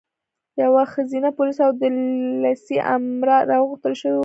یوه ښځینه پولیسه او د لېسې امره هم راغوښتل شوې وه.